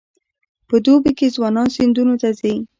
په دوبي کې ځوانان سیندونو ته ځي.